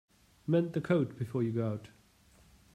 Mend the coat before you go out.